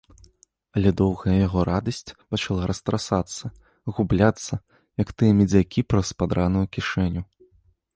Але доўгая яго радасць пачала растрасацца, губляцца, як тыя медзякі праз падраную кішэню.